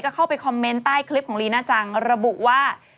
เข้าไปคอมเมนต์ใต้คลิปของลีน่าจังระบุว่า